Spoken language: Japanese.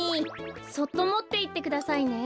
そっともっていってくださいね。